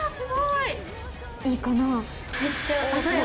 いいかなぁ？